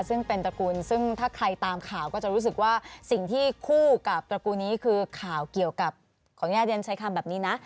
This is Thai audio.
ซึ่งเป็นตระกูลซึ่งถ้าใครตามข่าวก็จะรู้สึกว่าสิ่งที่คู่กับตระกูลนี้คือข่าวเกี่ยวกับขออนุญาตเรียนใช้คำแบบนี้นะ